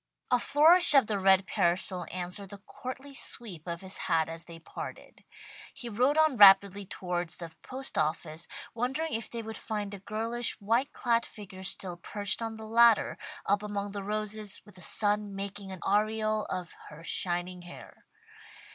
A flourish of the red parasol answered the courtly sweep of his hat as they parted. He rode on rapidly towards the post office, wondering if they would find the girlish, white clad figure still perched on the ladder, up among the roses, with the sun making an aureole of her shining hair.